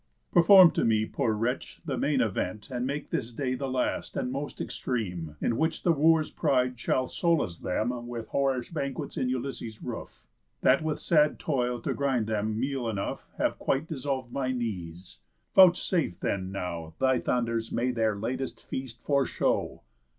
Perform to me, poor wretch, the main event, And make this day the last, and most extreme, In which the Wooers' pride shall solace them With whorish banquets in Ulysses' roof, That, with sad toil to grind them meal enough, Have quite dissolv'd my knees. Vouchsafe, then, now Thy thunders may their latest feast foreshow."